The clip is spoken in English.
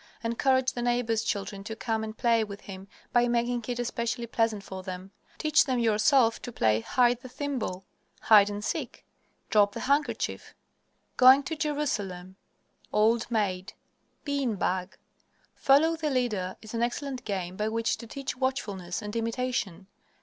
Encourage the neighbors' children to come and play with him by making it especially pleasant for them. Teach them yourself to play "Hide the Thimble," "Hide and Seek," "Drop the Handkerchief," "Going to Jerusalem," "Old Maid," "Bean Bag." Follow the Leader is an excellent game by which to teach watchfulness and imitation.